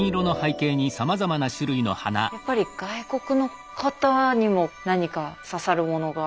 やっぱり外国の方にも何か刺さるものが？